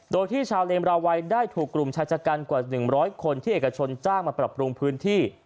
โดยที่ชาวเลมราวัยได้ถูกกลุ่มชายชะกันกว่า๑๐๐คนที่เอกชนจ้างมาปรับปรุงพื้นที่